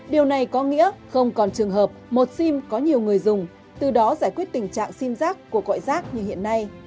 điều này có nghĩa không còn trường hợp một sim có nhiều người dùng từ đó giải quyết tình trạng sim giác của gọi rác như hiện nay